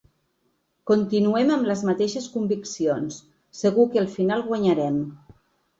Continuem amb les mateixes conviccions, segur que al final guanyarem.